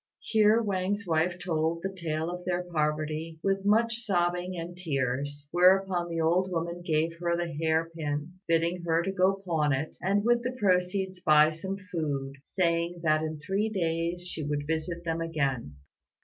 Here Wang's wife told the tale of their poverty, with much sobbing and tears; whereupon the old woman gave her the hair pin, bidding her go pawn it, and with the proceeds buy some food, saying that in three days she would visit them again.